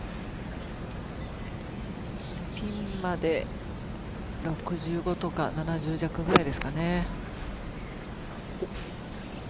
ピンまで６５とか７０弱ぐらいですかね。